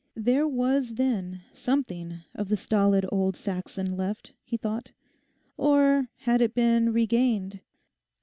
There was then something of the stolid old Saxon left, he thought. Or had it been regained?